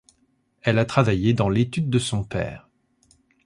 Elle a travaillé dans l'étude de son père.